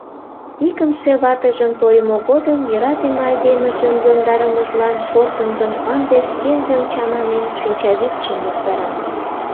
Икымше ватыжым тойымо годым йӧратыме айдемыжым йомдарымыжлан шортын гын, ынде, шкенжым чаманен, шинчавӱдшым йоктара.